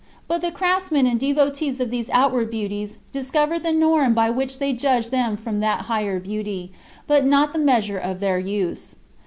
But the craftsmen and devotees of these outward beauties discover the norm by which they judge them from that higher beauty, but not the measure of their use.